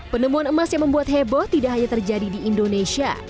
penemuan emas yang membuat heboh tidak hanya terjadi di indonesia